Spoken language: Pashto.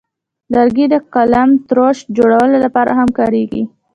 لرګی د قلمتراش جوړولو لپاره هم کاریږي.